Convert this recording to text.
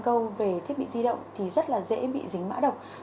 để tải pokemon go về thiết bị di động thì rất là dễ bị dính mã độc